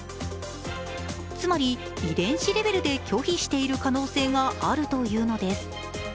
つまり遺伝子レベルで拒否している可能性があるというのです。